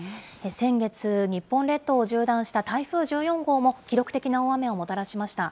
先月、日本列島を縦断した台風１４号も、記録的な大雨をもたらしました。